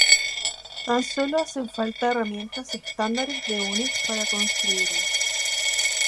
Tan solo hacen falta herramientas estándares de Unix para construirlo.